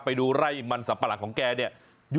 ไปดูไร่มันสับปะหลังของแกเนี่ย